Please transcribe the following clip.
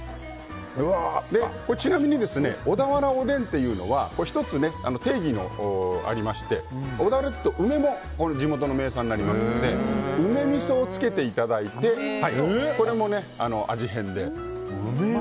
ちなみに小田原おでんというのは１つ定義がありまして小田原というと梅も地元の名産になりますので梅みそをつけていただいてこれも味変で。